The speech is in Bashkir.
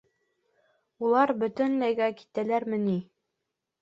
— Улар бөтөнләйгә китәләрме ни?